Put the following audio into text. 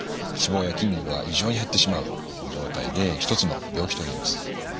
脂肪や筋肉が異常に減ってしまう状態でひとつの病気と言えます。